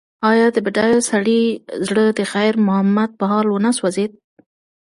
ایا د بډایه سړي زړه د خیر محمد په حال ونه سوځېد؟